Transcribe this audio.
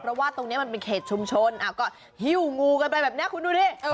เพราะว่าตรงนี้มันเป็นเขตชุมชนก็หิ้วงูกันไปแบบนี้คุณดูดิ